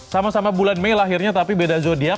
sama sama bulan mei lahirnya tapi beda zodiac